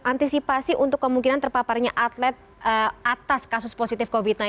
antisipasi untuk kemungkinan terpaparnya atlet atas kasus positif covid sembilan belas